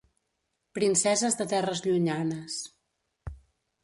"Princeses de terres llunyanes"